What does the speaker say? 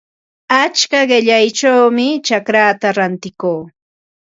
Achka qillayćhawmi chacraata rantikuu.